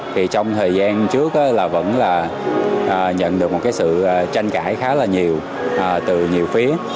thì trong thời gian trước vẫn là nhận được một sự tranh cãi khá là nhiều từ nhiều phía